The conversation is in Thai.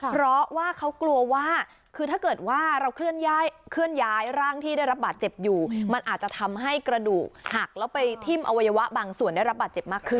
เพราะว่าเขากลัวว่าคือถ้าเกิดว่าเราเคลื่อนย้ายร่างที่ได้รับบาดเจ็บอยู่มันอาจจะทำให้กระดูกหักแล้วไปทิ้มอวัยวะบางส่วนได้รับบาดเจ็บมากขึ้น